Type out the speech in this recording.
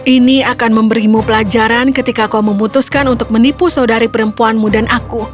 ini akan memberimu pelajaran ketika kau memutuskan untuk menipu saudari perempuanmu dan aku